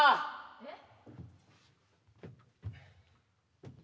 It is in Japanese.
・えっ？